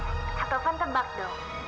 kak taufan tebak dong